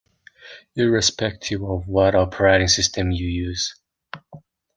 Irrespective of what operating system you use.